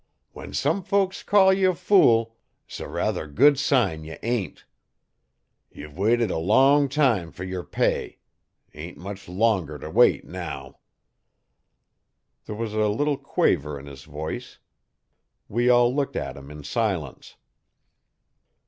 When some folks call ye a fool 's a ruther good sign ye ain't. Ye've waited a long time fer yer pay ain't much longer to wait now.' There was a little quaver in his voice, We all looked at him in silence.